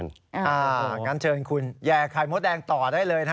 อย่างนั้นเชิญคุณแย่ไข่มดแดงต่อได้เลยนะฮะ